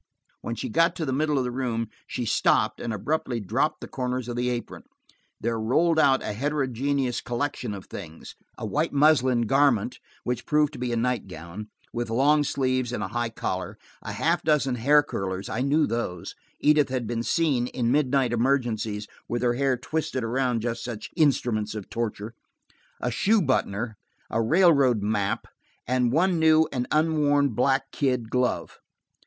When she got to the middle of the room she stopped and abruptly dropped the corners of the apron. There rolled out a heterogeneous collection of things: a white muslin garment which proved to be a nightgown, with long sleeves and high collar; a half dozen hair curlers–I knew those; Edith had been seen, in midnight emergencies, with her hair twisted around just such instruments of torture–a shoe buttoner; a railroad map, and one new and unworn black kid glove.